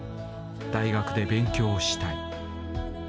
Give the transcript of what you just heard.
大学で勉強したい。